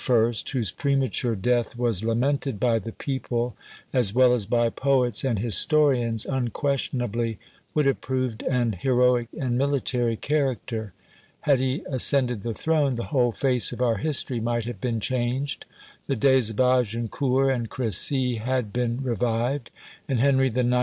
whose premature death was lamented by the people, as well as by poets and historians, unquestionably would have proved an heroic and military character. Had he ascended the throne, the whole face of our history might have been changed; the days of Agincourt and Cressy had been revived, and Henry IX.